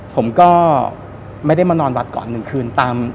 ผมก็ไม่ได้มานอนวัดก่อน๑คืนตาม